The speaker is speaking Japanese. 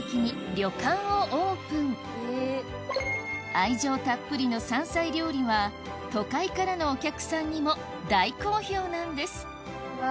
愛情たっぷりの山菜料理は都会からのお客さんにも大好評なんですうわ